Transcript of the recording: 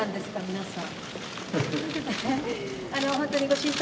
皆さん。